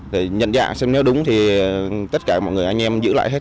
để nhận dạng xem nếu đúng thì tất cả mọi người anh em giữ lại hết